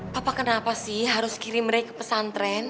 papa kenapa sih harus kirim rey ke pesantren